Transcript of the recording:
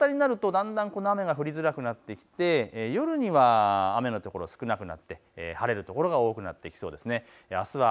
夕方になるとだんだんこの雨が降りづらくなって夜には雨の所、少なくなって晴れる所が多くなってきそうです。